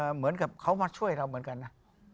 เหมือนกับเขามาช่วยเราเหมือนกันนะ